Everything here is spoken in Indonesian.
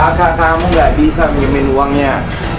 kakak kamu gak bisa ngimin uangnya